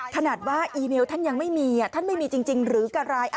ขนาดว่าอีเมลท่านยังไม่มีท่านไม่มีจริงหรือกะไร